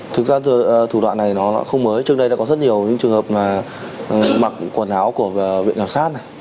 thực ra thủ đoạn này nó không mới trước đây đã có rất nhiều những trường hợp mà mặc quần áo của viện khảo sát này